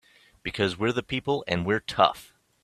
Because we're the people and we're tough!